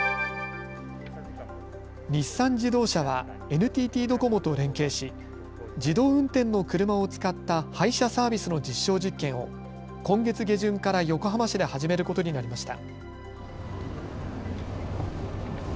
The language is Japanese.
日産自動車はＮＴＴドコモと連携し自動運転の車を使った配車サービスの実証実験を今月下旬から横浜市で始めることになりました。